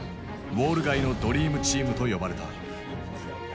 「ウォール街のドリームチーム」と呼ばれた。